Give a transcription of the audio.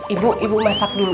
ibu masak dulu